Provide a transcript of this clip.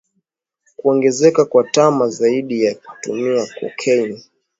Kuongezeka kwa tama zaidi ya kutumia cocaine